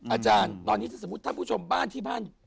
อาจารย์ตอนนี้ถ้าสมมุติท่านผู้ชมบ้านที่บ้าน